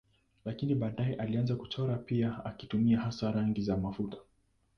Lakini baadaye alianza kuchora pia akitumia hasa rangi za mafuta.